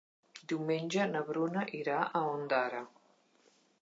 Diumenge na Bruna irà a Ondara.